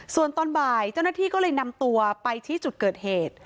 ส่วนตอนบ่ายเจ้าหน้าที่ก็เลยนำตัวไปชี้จุดเกิดเหตุ